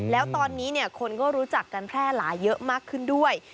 แล้วตอนนี้คนก็รู้จักกันแพร่หลายเยอะมากขึ้นด้วย